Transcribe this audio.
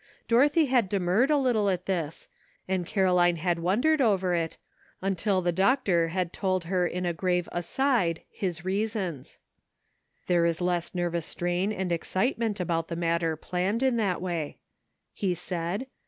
Dorothy had demurred a little at this, and Caroline had wondered over it, until the doctor had told her in a grave aside his reasons. '' There is less nervous strain and excitement about the matter planned in that way," he said.